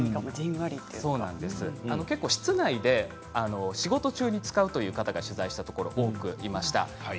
結構、室内で仕事中に使うという方が取材すると多くいました。